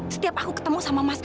setiap aku ketemu sama mas